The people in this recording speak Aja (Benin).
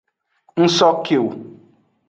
N so ke wo.